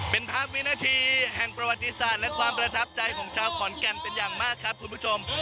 เป็นภาพวินาทีแห่งประวัติศาสตร์และความประทับใจของชาวขอนแก่นเป็นอย่างมากครับคุณผู้ชม